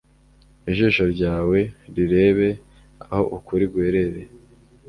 ijisho ryawe rirebe aho ukuri guherereye